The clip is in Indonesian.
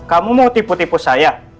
kamu mau tipu tipu saya